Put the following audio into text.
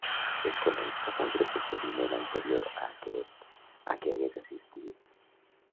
Es coneix cap altre procediment anterior a aquest a què hagués assistit?